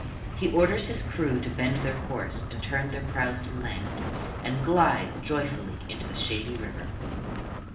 He orders his crew to bend their course and turn their prows to land, and glides joyfully into the shady river.